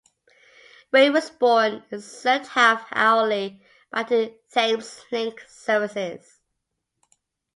Ravensbourne is served half-hourly by to Thameslink services.